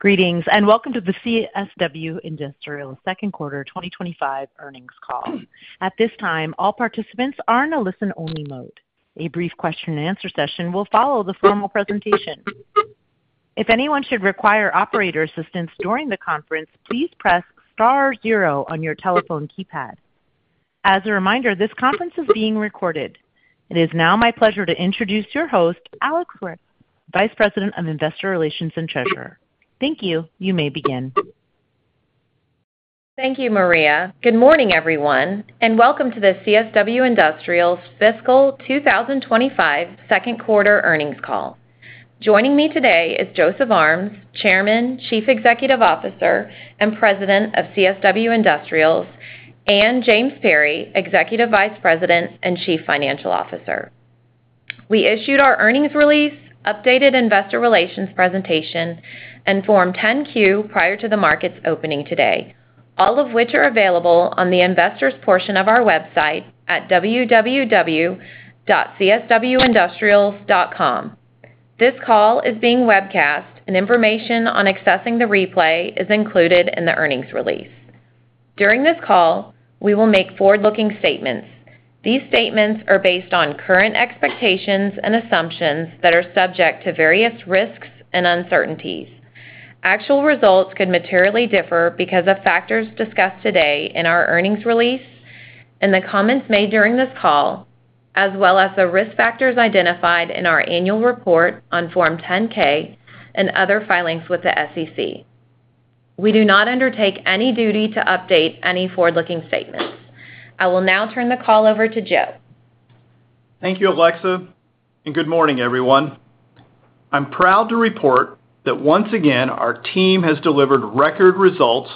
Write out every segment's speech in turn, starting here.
Greetings and welcome to the CSW Industrials Second Quarter 2025 earnings call. At this time, all participants are in a listen-only mode. A brief question-and-answer session will follow the formal presentation. If anyone should require operator assistance during the conference, please press star zero on your telephone keypad. As a reminder, this conference is being recorded. It is now my pleasure to introduce your host, Alexa Huerta, Vice President of Investor Relations and Treasurer. Thank you. You may begin. Thank you, Maria. Good morning, everyone, and welcome to the CSW Industrials Fiscal 2025 Second Quarter earnings call. Joining me today is Joseph Armes, Chairman, Chief Executive Officer, and President of CSW Industrials, and James Perry, Executive Vice President and Chief Financial Officer. We issued our earnings release, updated investor relations presentation, and Form 10-Q prior to the markets opening today, all of which are available on the investors' portion of our website at www.cswindustrials.com. This call is being webcast, and information on accessing the replay is included in the earnings release. During this call, we will make forward-looking statements. These statements are based on current expectations and assumptions that are subject to various risks and uncertainties. Actual results could materially differ because of factors discussed today in our earnings release, in the comments made during this call, as well as the risk factors identified in our annual report on Form 10-K and other filings with the SEC. We do not undertake any duty to update any forward-looking statements. I will now turn the call over to Joe. Thank you, Alexa, and good morning, everyone. I'm proud to report that once again our team has delivered record results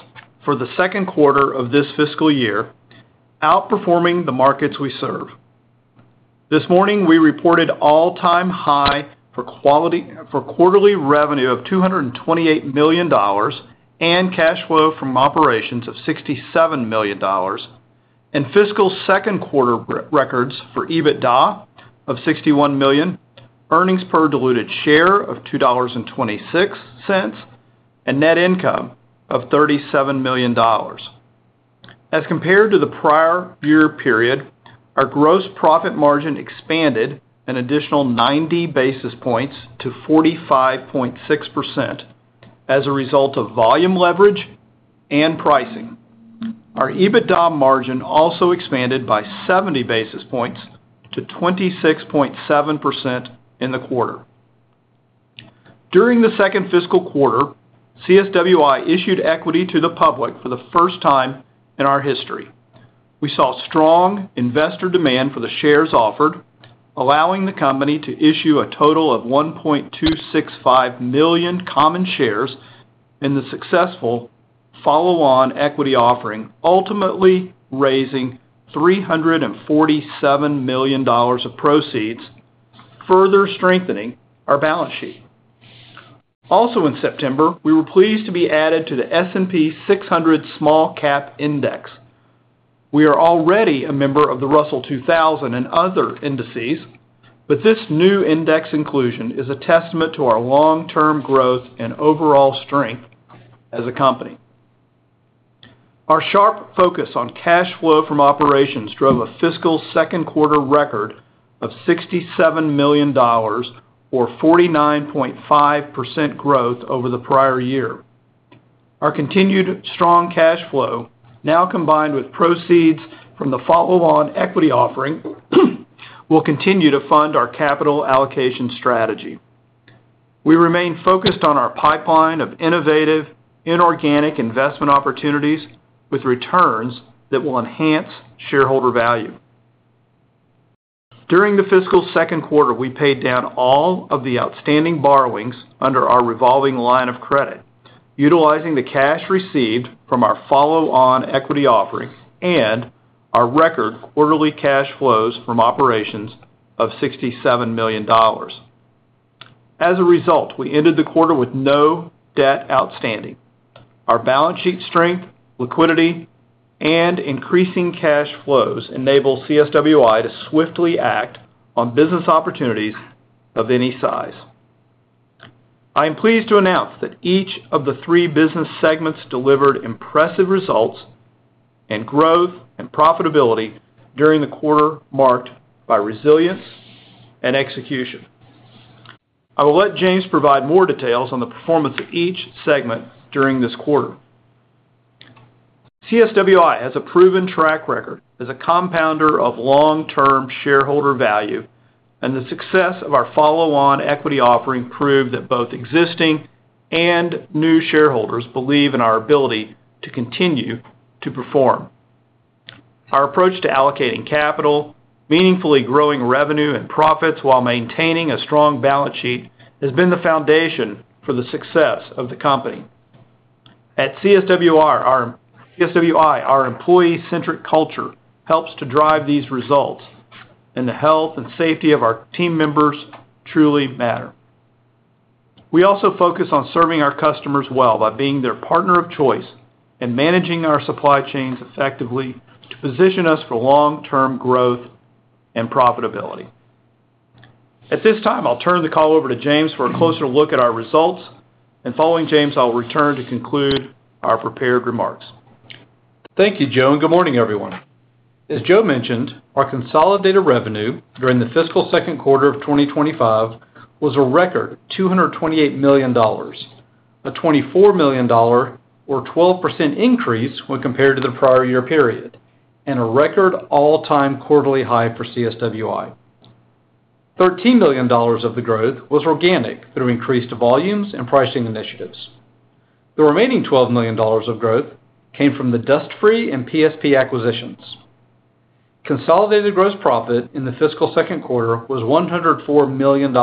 for the second quarter of this fiscal year, outperforming the markets we serve. This morning, we reported all-time high for quarterly revenue of $228 million and cash flow from operations of $67 million, and fiscal second quarter records for EBITDA of $61 million, earnings per diluted share of $2.26, and net income of $37 million. As compared to the prior year period, our gross profit margin expanded an additional 90 basis points to 45.6% as a result of volume leverage and pricing. Our EBITDA margin also expanded by 70 basis points to 26.7% in the quarter. During the second fiscal quarter, CSWI issued equity to the public for the first time in our history. We saw strong investor demand for the shares offered, allowing the company to issue a total of 1.265 million common shares in the successful follow-on equity offering, ultimately raising $347 million of proceeds, further strengthening our balance sheet. Also, in September, we were pleased to be added to the S&P 600 Small Cap Index. We are already a member of the Russell 2000 and other indices, but this new index inclusion is a testament to our long-term growth and overall strength as a company. Our sharp focus on cash flow from operations drove a fiscal second quarter record of $67 million, or 49.5% growth over the prior year. Our continued strong cash flow, now combined with proceeds from the follow-on equity offering, will continue to fund our capital allocation strategy. We remain focused on our pipeline of innovative, inorganic investment opportunities with returns that will enhance shareholder value. During the fiscal second quarter, we paid down all of the outstanding borrowings under our revolving line of credit, utilizing the cash received from our follow-on equity offering and our record quarterly cash flows from operations of $67 million. As a result, we ended the quarter with no debt outstanding. Our balance sheet strength, liquidity, and increasing cash flows enable CSWI to swiftly act on business opportunities of any size. I am pleased to announce that each of the three business segments delivered impressive results in growth and profitability during the quarter marked by resilience and execution. I will let James provide more details on the performance of each segment during this quarter. CSWI has a proven track record as a compounder of long-term shareholder value, and the success of our follow-on equity offering proved that both existing and new shareholders believe in our ability to continue to perform. Our approach to allocating capital, meaningfully growing revenue and profits while maintaining a strong balance sheet has been the foundation for the success of the company. At CSWI, our employee-centric culture helps to drive these results, and the health and safety of our team members truly matter. We also focus on serving our customers well by being their partner of choice and managing our supply chains effectively to position us for long-term growth and profitability. At this time, I'll turn the call over to James for a closer look at our results, and following James, I'll return to conclude our prepared remarks. Thank you, Joe, and good morning, everyone. As Joe mentioned, our consolidated revenue during the fiscal second quarter of 2025 was a record $228 million, a $24 million, or 12% increase when compared to the prior year period, and a record all-time quarterly high for CSWI. $13 million of the growth was organic through increased volumes and pricing initiatives. The remaining $12 million of growth came from the Dust Free and PSP acquisitions. Consolidated gross profit in the fiscal second quarter was $104 million,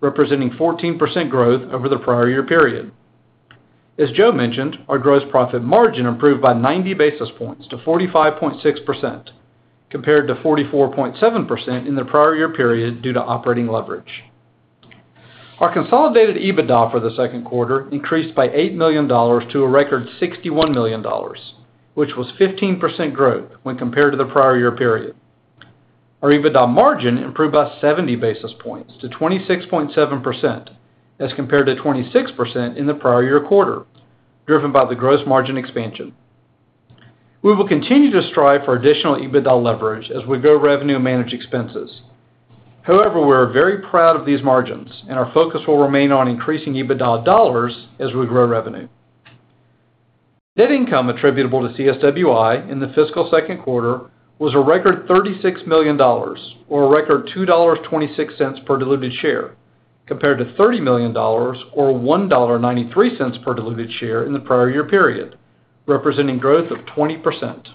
representing 14% growth over the prior year period. As Joe mentioned, our gross profit margin improved by 90 basis points to 45.6%, compared to 44.7% in the prior year period due to operating leverage. Our consolidated EBITDA for the second quarter increased by $8 million to a record $61 million, which was 15% growth when compared to the prior year period. Our EBITDA margin improved by 70 basis points to 26.7%, as compared to 26% in the prior year quarter, driven by the gross margin expansion. We will continue to strive for additional EBITDA leverage as we grow revenue and manage expenses. However, we are very proud of these margins, and our focus will remain on increasing EBITDA dollars as we grow revenue. Net income attributable to CSWI in the fiscal second quarter was a record $36 million, or a record $2.26 per diluted share, compared to $30 million, or $1.93 per diluted share in the prior year period, representing growth of 20%.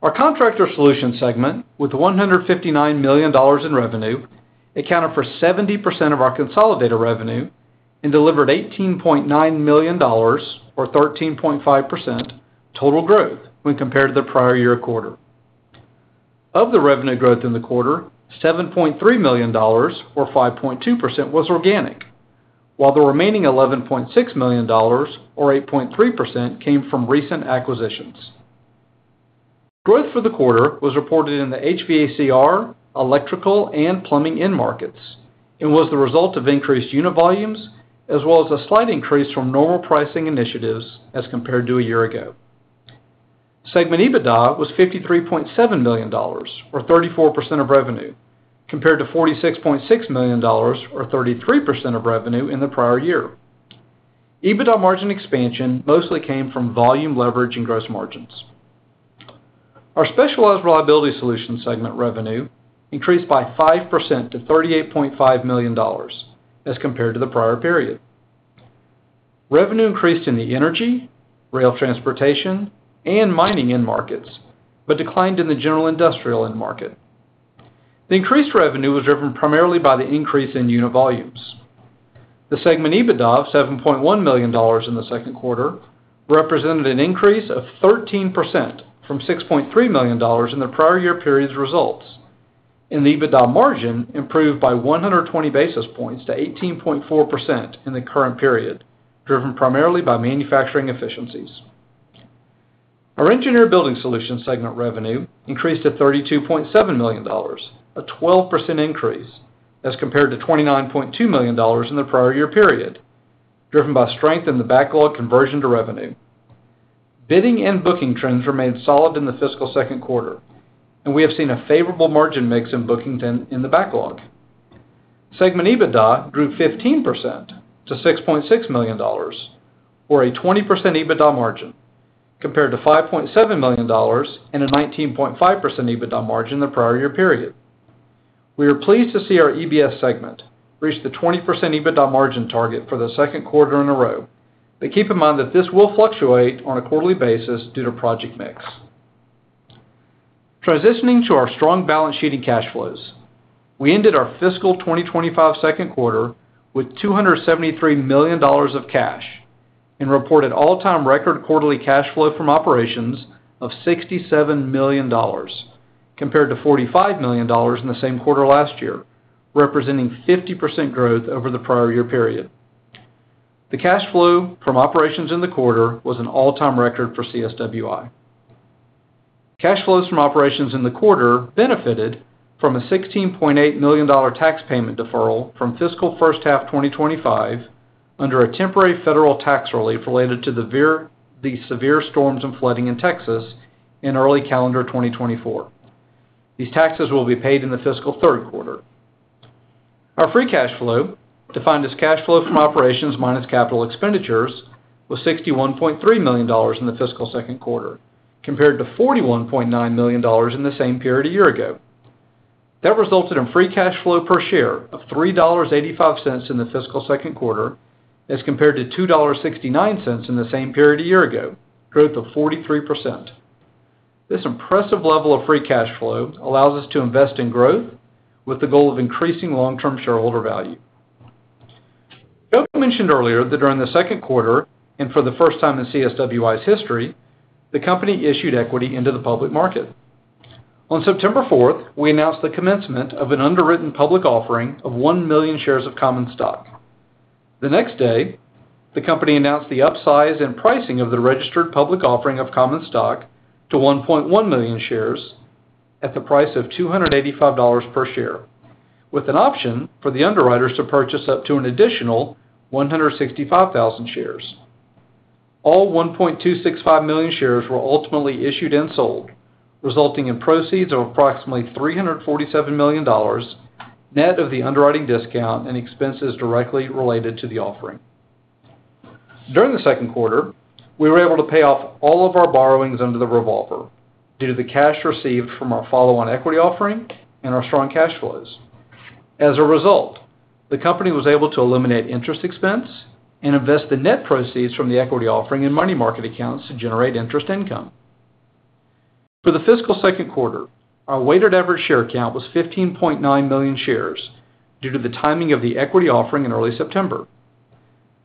Our Contractor Solutions segment, with $159 million in revenue, accounted for 70% of our consolidated revenue and delivered $18.9 million, or 13.5%, total growth when compared to the prior year quarter. Of the revenue growth in the quarter, $7.3 million, or 5.2%, was organic, while the remaining $11.6 million, or 8.3%, came from recent acquisitions. Growth for the quarter was reported in the HVACR, electrical, and plumbing markets and was the result of increased unit volumes, as well as a slight increase from normal pricing initiatives as compared to a year ago. Segment EBITDA was $53.7 million, or 34% of revenue, compared to $46.6 million, or 33% of revenue in the prior year. EBITDA margin expansion mostly came from volume leverage and gross margins. Our Specialized Reliability Solutions segment revenue increased by 5% to $38.5 million as compared to the prior period. Revenue increased in the energy, rail transportation, and mining markets, but declined in the general industrial market. The increased revenue was driven primarily by the increase in unit volumes. The segment EBITDA of $7.1 million in the second quarter represented an increase of 13% from $6.3 million in the prior year period's results, and the EBITDA margin improved by 120 basis points to 18.4% in the current period, driven primarily by manufacturing efficiencies. Our Engineered Building Solutions segment revenue increased to $32.7 million, a 12% increase, as compared to $29.2 million in the prior year period, driven by strength in the backlog conversion to revenue. Bidding and booking trends remained solid in the fiscal second quarter, and we have seen a favorable margin mix in booking in the backlog. Segment EBITDA grew 15% to $6.6 million, or a 20% EBITDA margin, compared to $5.7 million and a 19.5% EBITDA margin in the prior year period. We are pleased to see our EBS segment reach the 20% EBITDA margin target for the second quarter in a row, but keep in mind that this will fluctuate on a quarterly basis due to project mix. Transitioning to our strong balance sheet and cash flows, we ended our fiscal 2025 second quarter with $273 million of cash and reported all-time record quarterly cash flow from operations of $67 million, compared to $45 million in the same quarter last year, representing 50% growth over the prior year period. The cash flow from operations in the quarter was an all-time record for CSWI. Cash flows from operations in the quarter benefited from a $16.8 million tax payment deferral from fiscal first half 2025 under a temporary federal tax relief related to the severe storms and flooding in Texas in early calendar 2024. These taxes will be paid in the fiscal third quarter. Our free cash flow, defined as cash flow from operations minus capital expenditures, was $61.3 million in the fiscal second quarter, compared to $41.9 million in the same period a year ago. That resulted in free cash flow per share of $3.85 in the fiscal second quarter, as compared to $2.69 in the same period a year ago, growth of 43%. This impressive level of free cash flow allows us to invest in growth with the goal of increasing long-term shareholder value. Joe mentioned earlier that during the second quarter and for the first time in CSWI's history, the company issued equity into the public market. On September 4th, we announced the commencement of an underwritten public offering of one million shares of common stock. The next day, the company announced the upsize and pricing of the registered public offering of common stock to 1.1 million shares at the price of $285 per share, with an option for the underwriters to purchase up to an additional 165,000 shares. All 1.265 million shares were ultimately issued and sold, resulting in proceeds of approximately $347 million net of the underwriting discount and expenses directly related to the offering. During the second quarter, we were able to pay off all of our borrowings under the revolver due to the cash received from our follow-on equity offering and our strong cash flows. As a result, the company was able to eliminate interest expense and invest the net proceeds from the equity offering in money market accounts to generate interest income. For the fiscal second quarter, our weighted average share count was 15.9 million shares due to the timing of the equity offering in early September.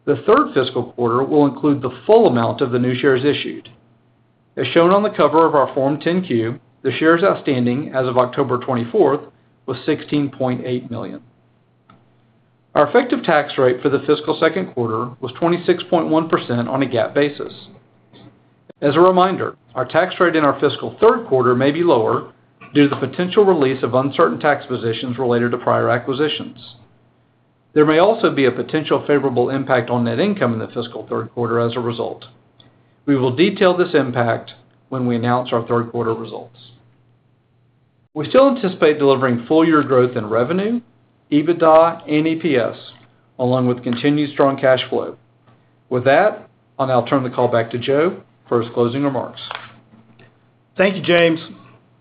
The third fiscal quarter will include the full amount of the new shares issued. As shown on the cover of our Form 10-Q, the shares outstanding as of October 24th was 16.8 million. Our effective tax rate for the fiscal second quarter was 26.1% on a GAAP basis. As a reminder, our tax rate in our fiscal third quarter may be lower due to the potential release of uncertain tax positions related to prior acquisitions. There may also be a potential favorable impact on net income in the fiscal third quarter as a result. We will detail this impact when we announce our third quarter results. We still anticipate delivering full-year growth in revenue, EBITDA, and EPS, along with continued strong cash flow. With that, I'll now turn the call back to Joe for his closing remarks. Thank you, James.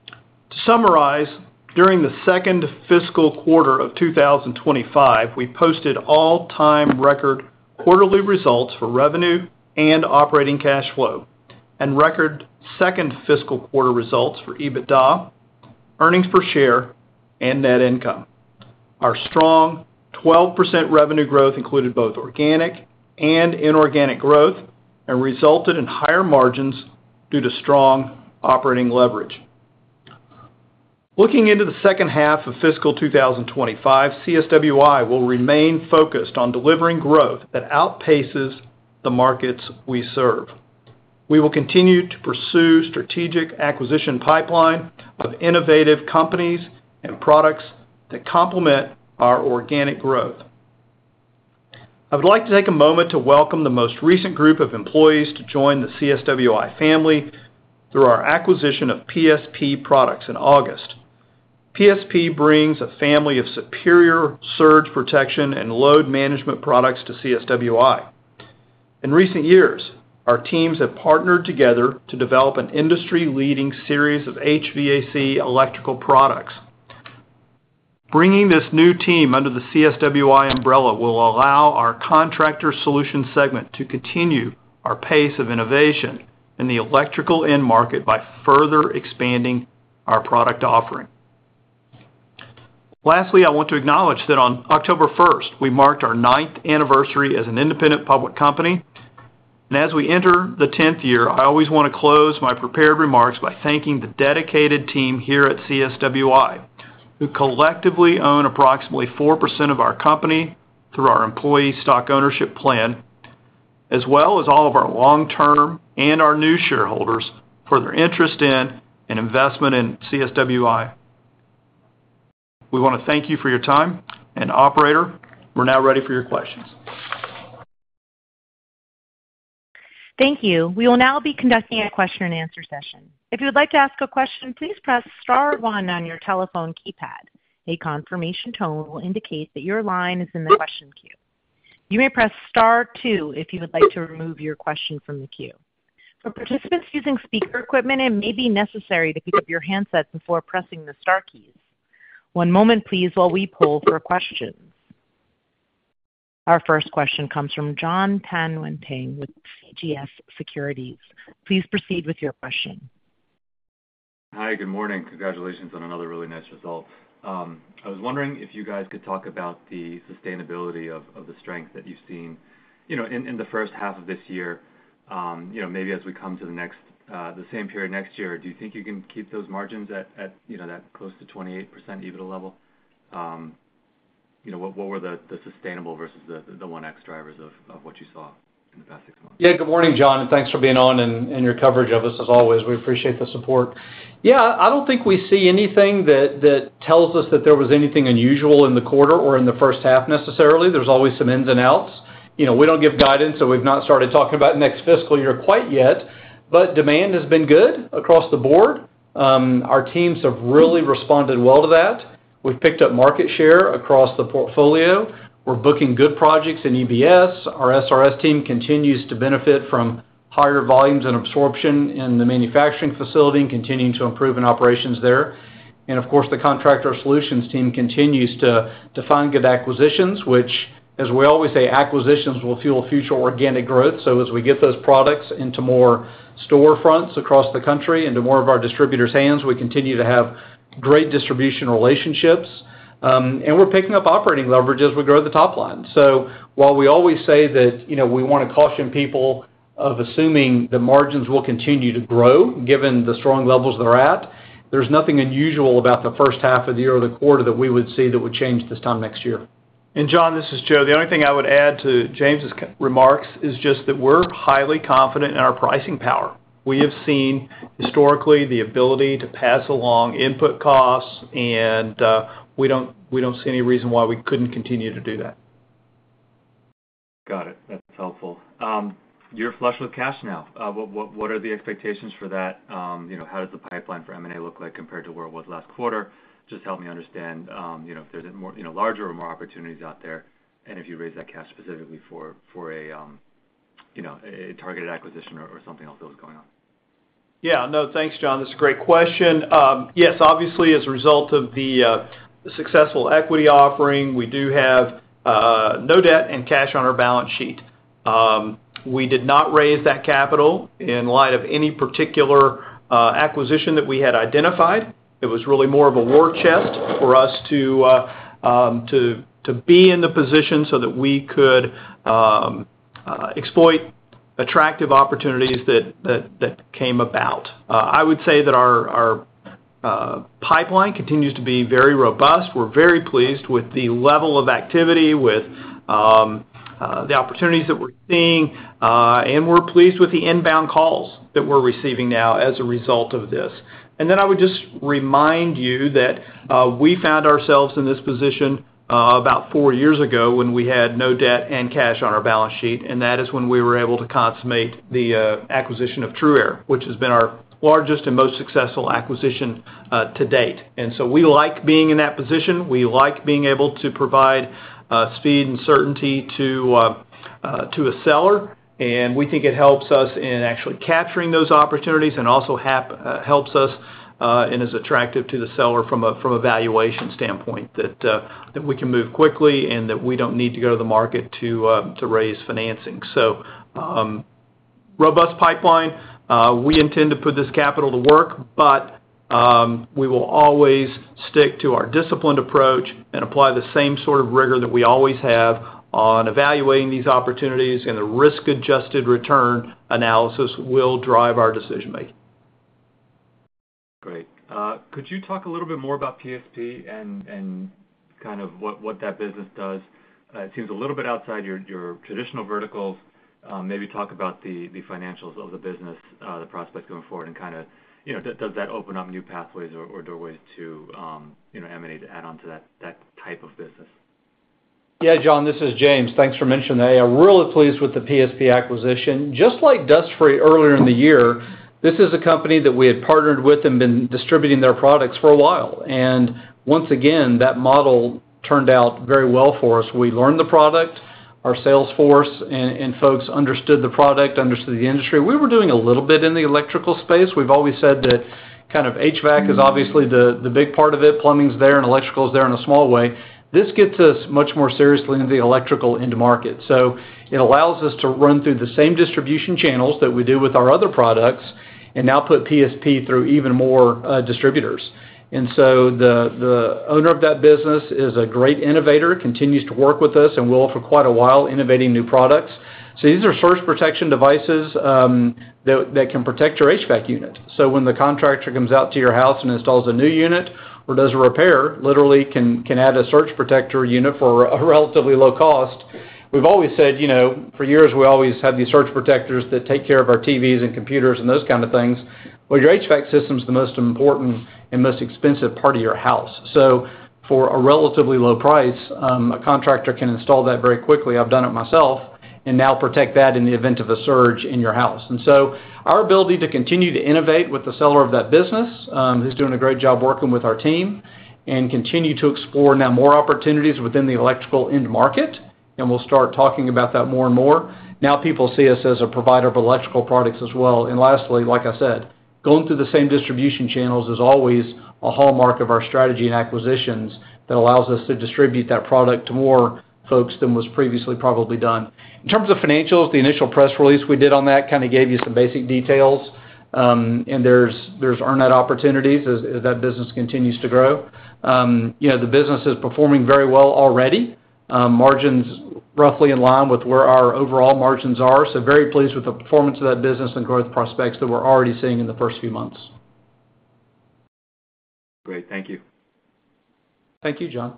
To summarize, during the second fiscal quarter of 2025, we posted all-time record quarterly results for revenue and operating cash flow and record second fiscal quarter results for EBITDA, earnings per share, and net income. Our strong 12% revenue growth included both organic and inorganic growth and resulted in higher margins due to strong operating leverage. Looking into the second half of fiscal 2025, CSWI will remain focused on delivering growth that outpaces the markets we serve. We will continue to pursue a strategic acquisition pipeline of innovative companies and products that complement our organic growth. I would like to take a moment to welcome the most recent group of employees to join the CSWI family through our acquisition of PSP Products in August. PSP brings a family of superior surge protection and load management products to CSWI. In recent years, our teams have partnered together to develop an industry-leading series of HVAC electrical products. Bringing this new team under the CSWI umbrella will allow our Contractor Solutions segment to continue our pace of innovation in the electrical end market by further expanding our product offering. Lastly, I want to acknowledge that on October 1st, we marked our ninth anniversary as an independent public company, and as we enter the 10th year, I always want to close my prepared remarks by thanking the dedicated team here at CSWI, who collectively own approximately 4% of our company through our employee stock ownership plan, as well as all of our long-term and our new shareholders for their interest in and investment in CSWI. We want to thank you for your time, and operator, we're now ready for your questions. Thank you. We will now be conducting a question-and-answer session. If you would like to ask a question, please press Star 1 on your telephone keypad. A confirmation tone will indicate that your line is in the question queue. You may press Star 2 if you would like to remove your question from the queue. For participants using speaker equipment, it may be necessary to pick up your handsets before pressing the Star keys. One moment, please, while we poll for questions. Our first question comes from Jon Tanwanteng with CJS Securities. Please proceed with your question. Hi, good morning. Congratulations on another really nice result. I was wondering if you guys could talk about the sustainability of the strength that you've seen in the first half of this year, maybe as we come to the same period next year. Do you think you can keep those margins at that close to 28% EBITDA level? What were the sustainable versus the 1X drivers of what you saw in the past six months? Yeah, good morning, Jon, and thanks for being on and your coverage of us, as always. We appreciate the support. Yeah, I don't think we see anything that tells us that there was anything unusual in the quarter or in the first half necessarily. There's always some ins and outs. We don't give guidance, so we've not started talking about next fiscal year quite yet, but demand has been good across the board. Our teams have really responded well to that. We've picked up market share across the portfolio. We're booking good projects in EBS. Our SRS team continues to benefit from higher volumes and absorption in the manufacturing facility and continuing to improve in operations there. And of course, the contractor solutions team continues to find good acquisitions, which, as we always say, acquisitions will fuel future organic growth. So as we get those products into more storefronts across the country, into more of our distributors' hands, we continue to have great distribution relationships. And we're picking up operating leverage as we grow the top line. So while we always say that we want to caution people of assuming the margins will continue to grow given the strong levels they're at, there's nothing unusual about the first half of the year or the quarter that we would see that would change this time next year. And John, this is Joe. The only thing I would add to James's remarks is just that we're highly confident in our pricing power. We have seen historically the ability to pass along input costs, and we don't see any reason why we couldn't continue to do that. Got it. That's helpful. You're flush with cash now. What are the expectations for that? How does the pipeline for M&A look like compared to where it was last quarter? Just help me understand if there's larger or more opportunities out there and if you raise that cash specifically for a targeted acquisition or something else that was going on. Yeah. No, thanks, John. That's a great question. Yes, obviously, as a result of the successful equity offering, we do have no debt and cash on our balance sheet. We did not raise that capital in light of any particular acquisition that we had identified. It was really more of a war chest for us to be in the position so that we could exploit attractive opportunities that came about. I would say that our pipeline continues to be very robust. We're very pleased with the level of activity, with the opportunities that we're seeing, and we're pleased with the inbound calls that we're receiving now as a result of this. And then I would just remind you that we found ourselves in this position about four years ago when we had no debt and cash on our balance sheet, and that is when we were able to consummate the acquisition of Truaire, which has been our largest and most successful acquisition to date. And so we like being in that position. We like being able to provide speed and certainty to a seller, and we think it helps us in actually capturing those opportunities and also helps us and is attractive to the seller from a valuation standpoint that we can move quickly and that we don't need to go to the market to raise financing. So, robust pipeline. We intend to put this capital to work, but we will always stick to our disciplined approach and apply the same sort of rigor that we always have on evaluating these opportunities, and the risk-adjusted return analysis will drive our decision-making. Great. Could you talk a little bit more about PSP and kind of what that business does? It seems a little bit outside your traditional verticals. Maybe talk about the financials of the business, the prospects going forward, and kind of does that open up new pathways or doorways to M&A to add on to that type of business? Yeah, John, this is James. Thanks for mentioning that. I am really pleased with the PSP acquisition. Just like Dustfree earlier in the year, this is a company that we had partnered with and been distributing their products for a while. And once again, that model turned out very well for us. We learned the product. Our sales force and folks understood the product, understood the industry. We were doing a little bit in the electrical space. We've always said that kind of HVAC is obviously the big part of it. Plumbing's there and electrical's there in a small way. This gets us much more seriously into the electrical end market. So it allows us to run through the same distribution channels that we do with our other products and now put PSP through even more distributors. And so the owner of that business is a great innovator, continues to work with us, and will for quite a while innovating new products. So these are surge protection devices that can protect your HVAC unit. So when the contractor comes out to your house and installs a new unit or does a repair, literally can add a surge protector unit for a relatively low cost. We've always said for years, we always have these surge protectors that take care of our TVs and computers and those kinds of things. Well, your HVAC system is the most important and most expensive part of your house. So for a relatively low price, a contractor can install that very quickly. I've done it myself and now protect that in the event of a surge in your house. And so our ability to continue to innovate with the seller of that business is doing a great job working with our team and continue to explore now more opportunities within the electrical end market, and we'll start talking about that more and more. Now people see us as a provider of electrical products as well. And lastly, like I said, going through the same distribution channels is always a hallmark of our strategy and acquisitions that allows us to distribute that product to more folks than was previously probably done. In terms of financials, the initial press release we did on that kind of gave you some basic details, and there's earn-out opportunities as that business continues to grow. The business is performing very well already. Margins roughly in line with where our overall margins are. So very pleased with the performance of that business and growth prospects that we're already seeing in the first few months. Great. Thank you. Thank you, Jon.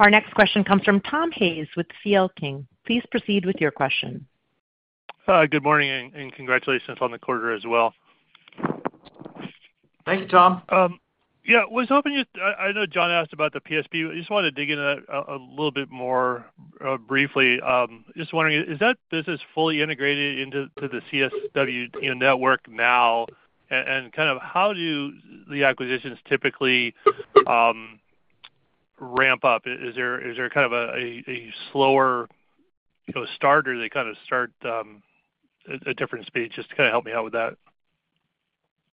Our next question comes from Tom Hayes with C.L. King. Please proceed with your question. Hi, good morning and congratulations on the quarter as well. Thank you, Tom. Yeah, I was hoping you, I know Jon asked about the PSP. I just wanted to dig in a little bit more briefly. Just wondering, is that business fully integrated into the CSW network now? And kind of how do the acquisitions typically ramp up? Is there kind of a slower starter? They kind of start at a different speed. Just to kind of help me out with that.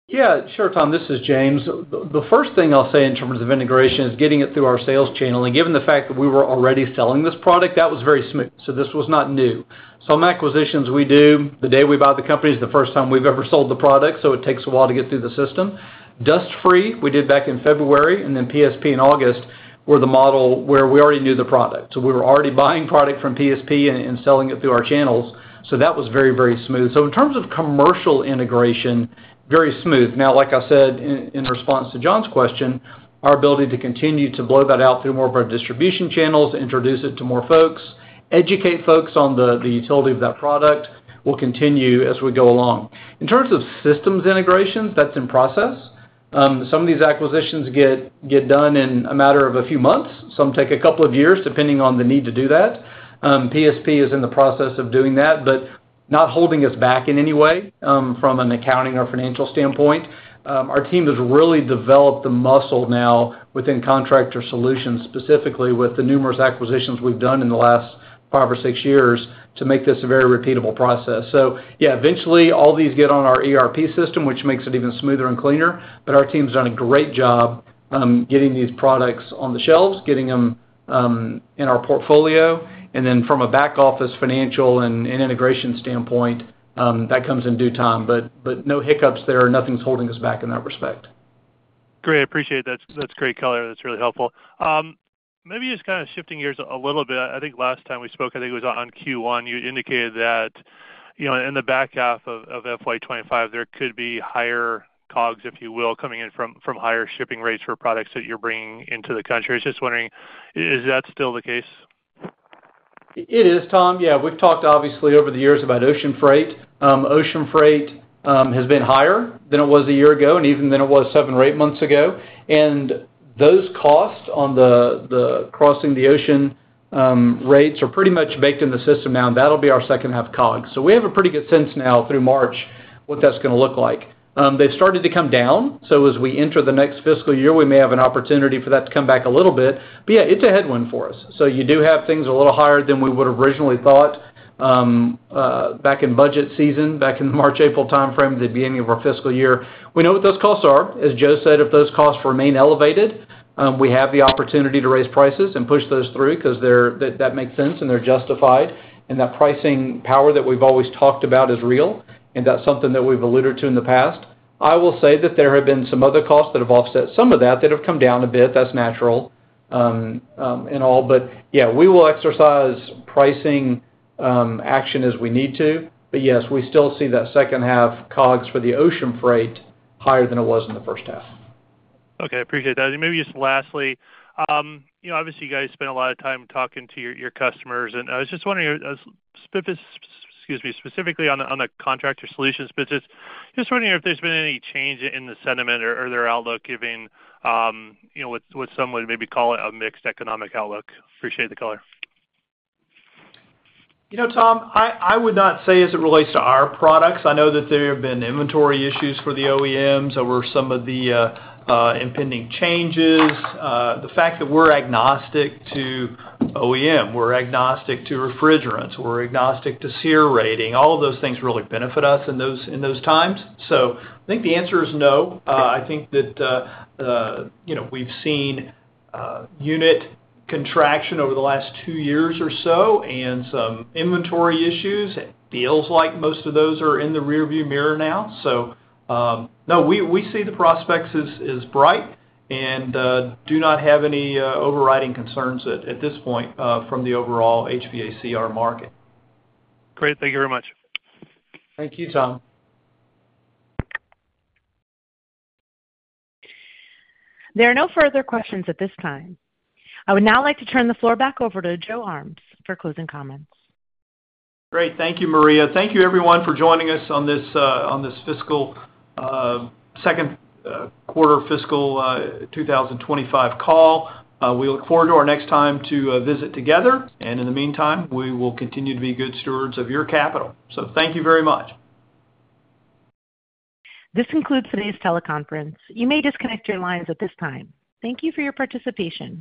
Yeah, sure, Tom. This is James. The first thing I'll say in terms of integration is getting it through our sales channel. And given the fact that we were already selling this product, that was very smooth. So this was not new. Some acquisitions we do, the day we buy the company is the first time we've ever sold the product, so it takes a while to get through the system. Dust Free, we did back in February, and then PSP in August were the model where we already knew the product. So we were already buying product from PSP and selling it through our channels. So that was very, very smooth. So in terms of commercial integration, very smooth. Now, like I said, in response to John's question, our ability to continue to blow that out through more of our distribution channels, introduce it to more folks, educate folks on the utility of that product will continue as we go along. In terms of systems integrations, that's in process. Some of these acquisitions get done in a matter of a few months. Some take a couple of years depending on the need to do that. PSP is in the process of doing that, but not holding us back in any way from an accounting or financial standpoint. Our team has really developed the muscle now within Contractor Solutions, specifically with the numerous acquisitions we've done in the last five or six years to make this a very repeatable process. So yeah, eventually all these get on our ERP system, which makes it even smoother and cleaner, but our team's done a great job getting these products on the shelves, getting them in our portfolio. And then from a back office financial and integration standpoint, that comes in due time. But no hiccups there. Nothing's holding us back in that respect. Great. I appreciate that. That's great color. That's really helpful. Maybe just kind of shifting gears a little bit. I think last time we spoke, I think it was on Q1, you indicated that in the back half of FY25, there could be higher COGS, if you will, coming in from higher shipping rates for products that you're bringing into the country. I was just wondering, is that still the case? It is, Tom. Yeah, we've talked obviously over the years about ocean freight. Ocean freight has been higher than it was a year ago and even than it was seven or eight months ago. And those costs on the crossing the ocean rates are pretty much baked in the system now, and that'll be our second half COGS. So we have a pretty good sense now through March what that's going to look like. They've started to come down. So as we enter the next fiscal year, we may have an opportunity for that to come back a little bit. But yeah, it's a headwind for us. So you do have things a little higher than we would have originally thought back in budget season, back in the March-April timeframe at the beginning of our fiscal year. We know what those costs are. As Joe said, if those costs remain elevated, we have the opportunity to raise prices and push those through because that makes sense and they're justified. And that pricing power that we've always talked about is real, and that's something that we've alluded to in the past. I will say that there have been some other costs that have offset some of that that have come down a bit. That's natural and all. But yeah, we will exercise pricing action as we need to. But yes, we still see that second half COGS for the ocean freight higher than it was in the first half. Okay. I appreciate that. Maybe just lastly, obviously, you guys spend a lot of time talking to your customers. And I was just wondering, excuse me, specifically on the contractor solutions business, just wondering if there's been any change in the sentiment or their outlook given what some would maybe call a mixed economic outlook. Appreciate the color. You know, Tom, I would not say as it relates to our products. I know that there have been inventory issues for the OEMs over some of the impending changes. The fact that we're agnostic to OEM, we're agnostic to refrigerants, we're agnostic to SEER rating, all of those things really benefit us in those times. So I think the answer is no. I think that we've seen unit contraction over the last two years or so and some inventory issues. It feels like most of those are in the rearview mirror now. So no, we see the prospects as bright and do not have any overriding concerns at this point from the overall HVACR market. Great. Thank you very much. Thank you, Tom. There are no further questions at this time. I would now like to turn the floor back over to Joe Armes for closing comments. Great. Thank you, Maria. Thank you, everyone, for joining us on this second quarter fiscal 2025 call. We look forward to our next time to visit together. And in the meantime, we will continue to be good stewards of your capital. So thank you very much. This concludes today's teleconference. You may disconnect your lines at this time. Thank you for your participation.